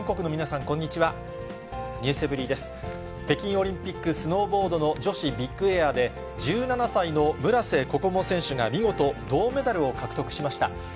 北京オリンピック、スノーボードの女子ビッグエアで、１７歳の村瀬心椛選手が見事、銅メダルを獲得しました。